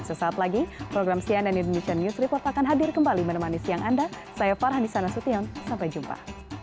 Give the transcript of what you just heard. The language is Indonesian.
sesaat lagi program cnn indonesia news report akan hadir kembali menemani siang anda saya farhani sanasution sampai jumpa